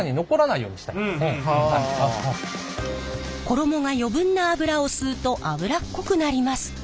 衣が余分な油を吸うと油っこくなります。